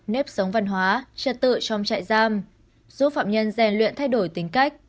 nếp sống văn hóa trật tự trong trại giam giúp phạm nhân rèn luyện thay đổi tính cách